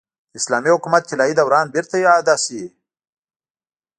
د اسلامي حکومت طلايي دوران بېرته اعاده شي.